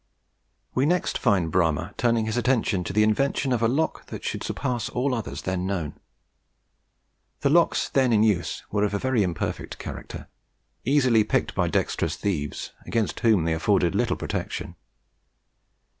We next find Bramah turning his attention to the invention of a lock that should surpass all others then known. The locks then in use were of a very imperfect character, easily picked by dexterous thieves, against whom they afforded little protection.